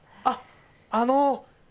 あっあの。